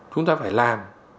chúng ta phải làm